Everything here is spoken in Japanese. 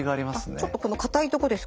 ちょっとこの硬いとこですか？